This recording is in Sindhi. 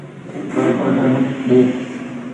ڪلپرٽن ٻيٽ